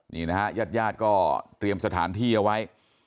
นี่นะฮะญาติญาติก็เตรียมสถานที่เอาไว้